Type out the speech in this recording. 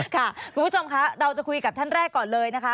คุณผู้ชมค่ะเราจะคุยกับท่านแรกก่อนเลยนะคะ